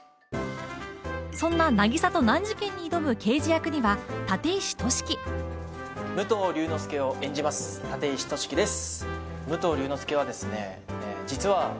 そんな渚と難事件に挑む刑事役には立石俊樹武藤龍之介を演じます立石俊樹です